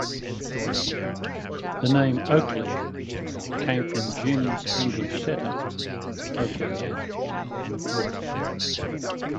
The name "Oakley" came from Jim's English Setter, "Oakley Anne.